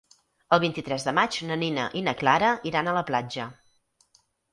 El vint-i-tres de maig na Nina i na Clara iran a la platja.